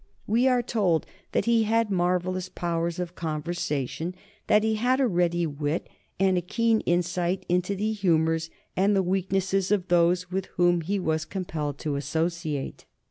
We are told that he had marvellous powers of conversation, that he had a ready wit, and a keen insight into the humors and the weaknesses of those with whom he was compelled to associate.